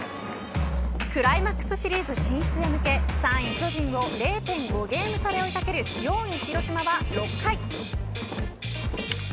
クライマックスシリーズ進出へ向け、３位巨人を０．５ゲーム差で追いかける４位、広島は６回。